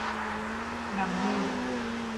น้ำมูก